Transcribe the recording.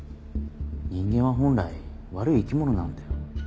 人間は本来悪い生き物なんだよ。